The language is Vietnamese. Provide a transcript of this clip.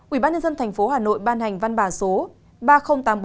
ubnd tp hà nội ban hành văn bả số